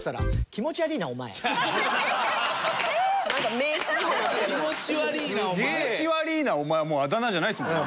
「気持ち悪いなお前」はもうあだ名じゃないですもんね。